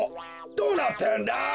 どうなってるんだ？